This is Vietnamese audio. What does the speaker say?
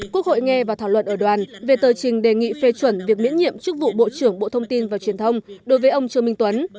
quốc hội nghe và thảo luận ở đoàn về tờ trình đề nghị phê chuẩn việc miễn nhiệm chức vụ bộ trưởng bộ thông tin và truyền thông đối với ông trương minh tuấn